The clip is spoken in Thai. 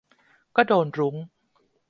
ก็โดนรุ้ง